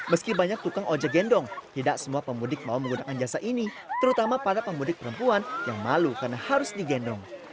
meski banyak tukang ojek gendong tidak semua pemudik mau menggunakan jasa ini terutama para pemudik perempuan yang malu karena harus digendong